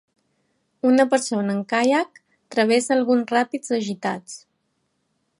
Una persona en caiac travessa alguns ràpids agitats.